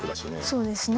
そうですね。